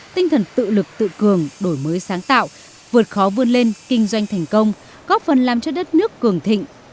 tinh thần tự lực tự cường đổi mới sáng tạo vượt khó vươn lên kinh doanh thành công góp phần làm cho đất nước cường thịnh